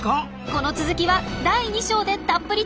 この続きは第２章でたっぷりとお伝えします！